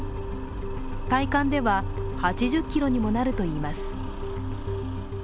体感では８０キロにもなるといいます。